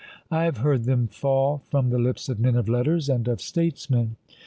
I have heard them fall from the lips of men of letters and of statesmen.